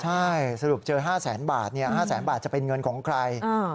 ใช่สรุปเจอ๕แสนบาท๕แสนบาทจะเป็นเงินของใคร